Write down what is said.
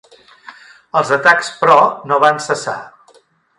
Els atacs, però, no van cessar.